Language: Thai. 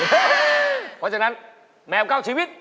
เพราะฉะนั้นแมวเก้าชีวิต